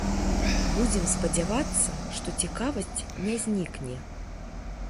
Будзем спадзявацца, што цікавасць не знікне.